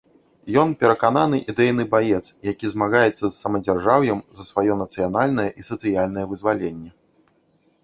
Ён перакананы ідэйны баец, які змагаецца з самадзяржаўем за сваё нацыянальнае і сацыяльнае вызваленне.